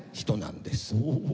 人なんです。